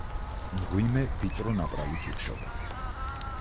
მღვიმე ვიწრო ნაპრალით იხშობა.